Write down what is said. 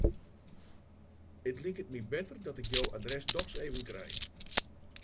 It liket my better dat ik jo adres dochs even krij.